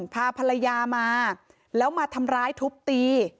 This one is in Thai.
พาภรรยามาแล้วมาทำร้ายทุบตี